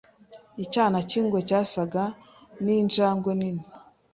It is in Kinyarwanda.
Icyana cy'ingwe cyasaga n'injangwe nini .